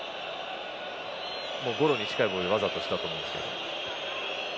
ゴロに近いボールにわざとしたと思うんですけど。